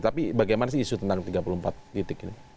tapi bagaimana sih isu tentang tiga puluh empat titik ini